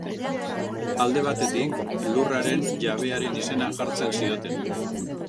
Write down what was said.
Alde batetik, lurraren jabearen izena jartzen zioten.